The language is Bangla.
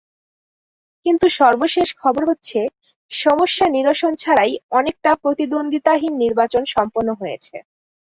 কিন্তু সর্বশেষ খবর হচ্ছে, সমস্যা নিরসন ছাড়াই অনেকটা প্রতিদ্বন্দ্বিতাহীন নির্বাচন সম্পন্ন হয়েছে।